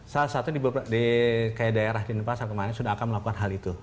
salah satu di daerah denpasar kemarin sudah akan melakukan hal itu